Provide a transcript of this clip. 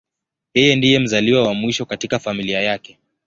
Yeye ndiye mzaliwa wa mwisho katika familia yake.